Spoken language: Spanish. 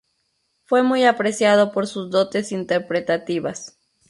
Fue muy apreciado por sus dotes interpretativas.